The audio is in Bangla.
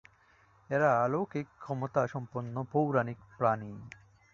এরা অলৌকিক ক্ষমতাসম্পন্ন পৌরাণিক প্রাণী।